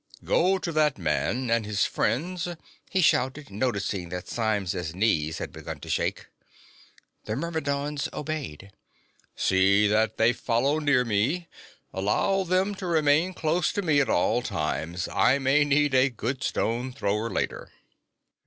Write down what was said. "Go to that man and his friends!" he shouted, noticing that Symes's knees had begun to shake. The Myrmidons obeyed. "See that they follow near me. Allow them to remain close to me at all times I may need a good stone thrower later!"